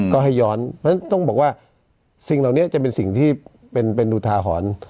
ก็ให้ย้อนเพราะฉะนั้นต้องบอกว่าสิ่งเหล่านี้จะเป็นสิ่งที่เป็นอุทาหรณ์